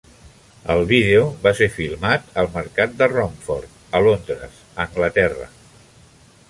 El vídeo va ser filmat al mercat de Romford a Londres, Anglaterra.